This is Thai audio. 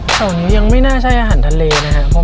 ผมยังไม่น่าใช่อาหารทะเลนะครับ